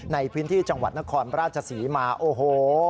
ในพื้นที่จังหวัดนครราชศรีมาโอ้โห